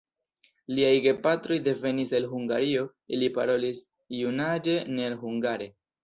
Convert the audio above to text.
Liaj gepatroj devenis el Hungario, ili parolis junaĝe nur hungare.